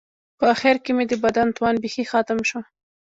په آخر کې مې د بدن توان بیخي ختم شو.